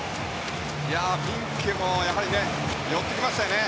フィンケも寄ってきましたね。